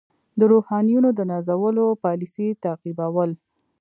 د روحانیونو د نازولو پالیسي تعقیبول.